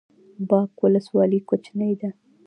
باک ولسوالۍ کوچنۍ ده؟